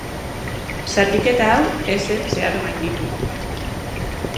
Zatiketa hau ez zen zeharo gainditu.